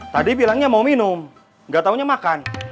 tadi bilangnya mau minum nggak taunya makan